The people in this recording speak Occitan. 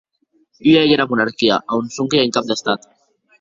Ua ei era monarquia, a on sonque i a un cap d'Estat.